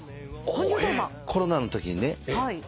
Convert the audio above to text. コロナのときにね